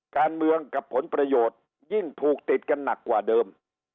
การเมืองกับผลประโยชน์ยิ่งผูกติดกันหนักกว่าเดิม